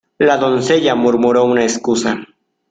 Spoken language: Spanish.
La doncella murmuró una excusa.